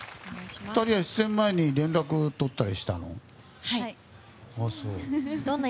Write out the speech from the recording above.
２人は出演前に連絡とったりしたの？